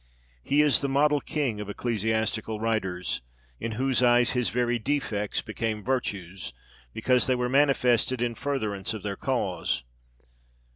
He is the model king of ecclesiastical writers, in whose eyes his very defects became virtues, because they were manifested in furtherance of their cause.